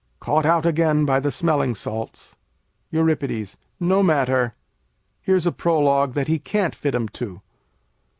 Caught out again by the smelling salts. Eur. No matter. Here's a prologue that he can't fit 'em to.